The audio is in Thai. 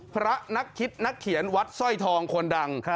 พระนักคิดนักเขียนวัดสร้อยทองคนดัง